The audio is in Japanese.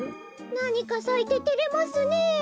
なにかさいててれますねえ。